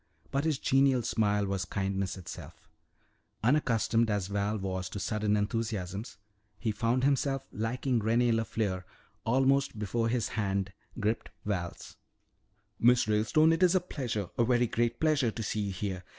But his genial smile was kindness itself. Unaccustomed as Val was to sudden enthusiasms, he found himself liking René LeFleur almost before his hand gripped Val's. "Miss Ralestone, it is a pleasure, a very great pleasure, to see you here!